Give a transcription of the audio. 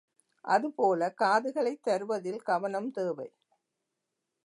அதுபோல காதுகளைத் தருவதில் கவனம் தேவை.